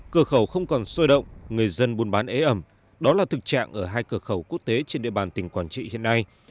cửa khẩu không còn sôi động người dân buôn bán ế ẩm đó là thực trạng ở hai cửa khẩu quốc tế trên địa bàn tỉnh quảng trị hiện nay